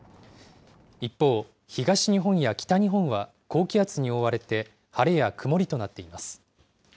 一方、東日本や北日本は、高気圧に覆われて晴れや曇りとなっています。